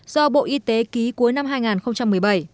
do bộ y tế ký cuối năm hai nghìn một mươi bảy